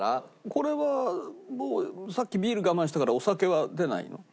これはさっきビール我慢したからお酒は出ないの？